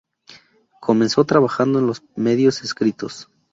Comenzó trabajando en los medios escritos.